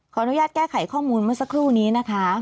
อนุญาตแก้ไขข้อมูลเมื่อสักครู่นี้นะคะ